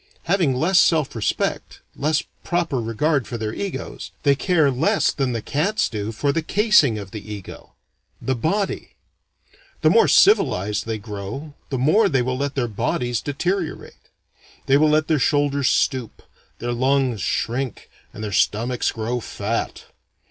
Having less self respect, less proper regard for their egos, they care less than the cats do for the casing of the ego, the body. The more civilized they grow the more they will let their bodies deteriorate. They will let their shoulders stoop, their lungs shrink, and their stomachs grow fat.